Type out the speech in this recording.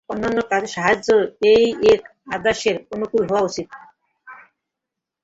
অন্যান্য কাজে সাহায্যও এই এক আদর্শের অনুকূল হওয়া চাই।